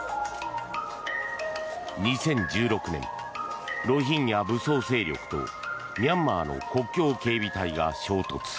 ２０１６年ロヒンギャ武装勢力とミャンマーの国境警備隊が衝突。